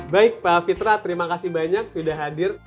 baik pak fitra terima kasih banyak sudah hadir